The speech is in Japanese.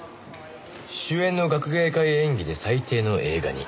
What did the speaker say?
「主演の学芸会演技で最低の映画に」